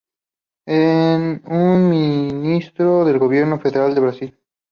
Es un ministerio del Gobierno federal de Brasil.